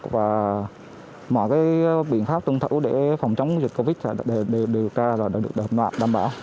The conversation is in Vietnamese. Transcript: và mọi biện pháp tuân thủ để phòng chống dịch covid đều được đảm bảo